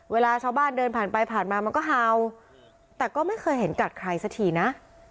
เวลาชาวบ้านเดินผ่านไปผ่านมามันก็เห่าแต่ก็ไม่เคยเห็นกัดใครสักทีนะ